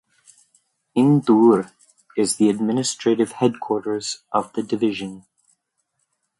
Indore is the administrative headquarters of the division.